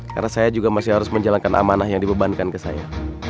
karena saya juga masih harus menjalankan amanah yang dibebankan ke saya